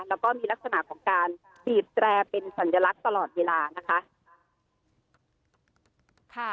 แล้วก็มีลักษณะของการบีบแตรเป็นสัญลักษณ์ตลอดเวลานะคะ